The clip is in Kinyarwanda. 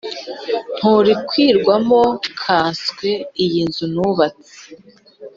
nturikwirwamo nkanswe iyi nzu nubatse!